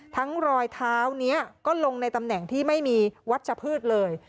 รอยเท้านี้ก็ลงในตำแหน่งที่ไม่มีวัชพืชเลย